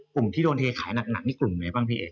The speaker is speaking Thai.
กลุ่มที่โดนเทขายหนักนี่กลุ่มไหนบ้างพี่เอก